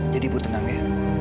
jadi ibu tenang ya